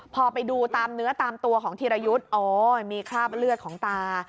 พอไปดูตามเนื้อตามตัวของธีรยุทธ์โอ้ยมีคราบเลือดของตา